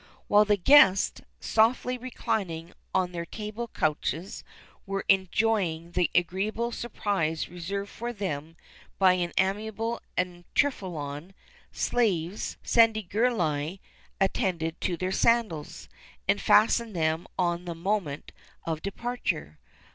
[XXXIII 22] While the guests, softly reclining on their table couches, were enjoying the agreeable surprise reserved for them by an amiable amphitryon, slaves (sandaligeruli) attended to their sandals, and fastened them on at the moment of departure.